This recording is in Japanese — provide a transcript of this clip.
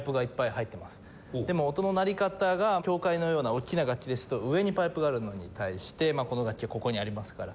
でも音の鳴り方が教会のような大きな楽器ですと上にパイプがあるのに対してこの楽器はここにありますから。